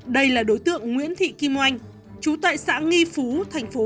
đây là đối tượng nguyễn thị kim oanh chú tại xã nghi phú tp vinh nghệ an